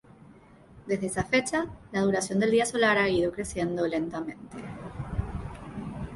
Desde esa fecha, la duración del día solar ha ido creciendo lentamente.